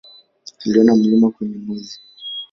Aliona milima kwenye Mwezi.